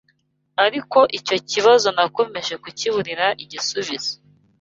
Ariko icyo kibazo nakomeje kukiburira igisubizo